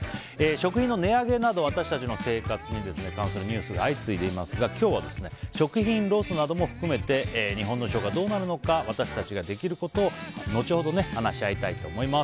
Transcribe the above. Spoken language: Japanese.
食品の値上げなど私たちの食生活に関するニュースが相次いでいますが今日は食品ロスなども含めて日本の食はどうなるのか私たちができることを後ほど話したいと思います。